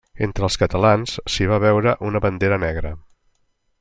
Entre els catalans s'hi va veure una Bandera Negra.